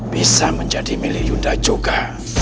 bisa menjadi milik yuda juga